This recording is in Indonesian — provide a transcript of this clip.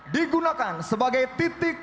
digunakan sebagai titik